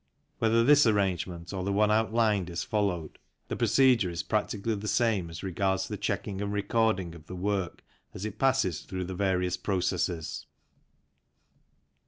Whether this arrangement or the one outlined is followed, the procedure is practically the same as regards the checking and recording of the work as it passes through the various processes.